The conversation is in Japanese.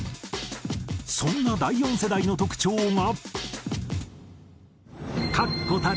そんな第４世代の特徴が。